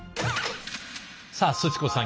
さあすち子さん